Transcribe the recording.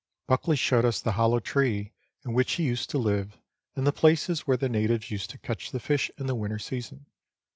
Buckley showed us the hollow tree in which he used to live and the places where the natives used to catch the fish in the winter season.